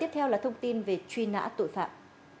tiếp theo là thông tin về truy nã tội phạm